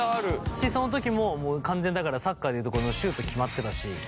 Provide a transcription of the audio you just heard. しその時も完全にだからサッカーで言うところのシュート決まってたし。